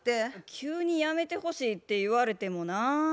急にやめてほしいって言われてもなぁ。